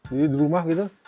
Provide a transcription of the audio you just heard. jadi di rumah gitu